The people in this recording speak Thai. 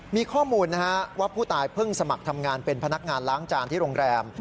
มีข้อมูลนะฮะว่าผู้ตายเพิ่งสมัครทำงานเป็นพนักงานล้างจานที่โรงแรม